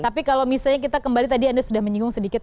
tapi kalau misalnya kita kembali tadi anda sudah menyinggung sedikit